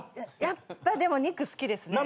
やっぱでも肉好きですね。